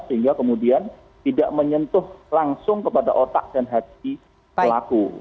sehingga kemudian tidak menyentuh langsung kepada otak dan hati pelaku